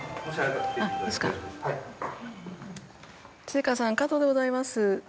スエカワさん加藤でございます。